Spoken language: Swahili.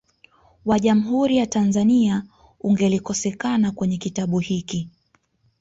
wa Jamhuri ya Tanzania ungelikosekana kwenye kitabu hiki